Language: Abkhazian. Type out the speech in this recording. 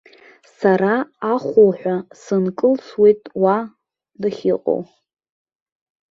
Сара ахуҳәа сынкылсуеит уа, дахьыҟоу.